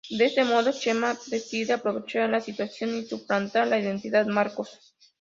De este modo, Chema decide aprovechar la situación y suplantar la identidad Marcos.